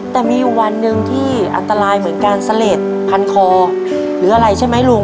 แต่มีอยู่วันหนึ่งที่อันตรายเหมือนการเสลดพันคอหรืออะไรใช่ไหมลุง